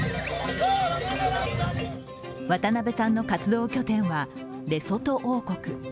渡邊さんの活動拠点はレソト王国。